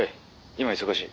今忙しい。